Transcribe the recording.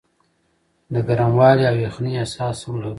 د ګرموالي او یخنۍ احساس هم لرو.